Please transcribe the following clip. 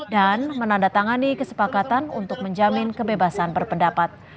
dan menandatangani kesepakatan untuk menjamin kebebasan berpendapat